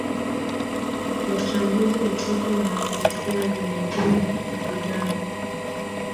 Wachambuzi wa soka wanamkosea Zinedine Zidane